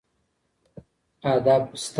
ادب سته.